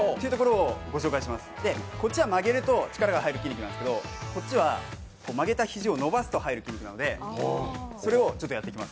こっちは曲げると力が入る筋肉なんですけど、こっちは曲げた肘を伸ばすと入る筋肉なんでそれをちょっとやっていきます。